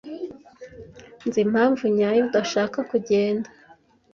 Nzi impamvu nyayo udashaka kugenda.